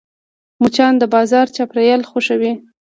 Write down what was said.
مچان د بازار چاپېریال خوښوي